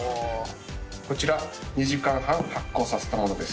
こちら２時間半発酵させたものです。